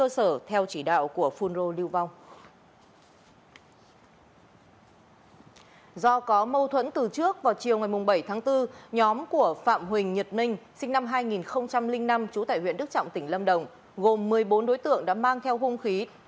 sinh năm hai nghìn năm chú tại huyện đức trọng tỉnh lâm đồng gồm một mươi bốn đối tượng đã mang theo hung khí